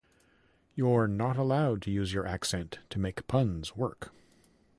You’re not allowed to use your accent to make puns work.